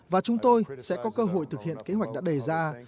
và chúng tôi sẽ có cơ hội thực hiện kế hoạch đã đề ra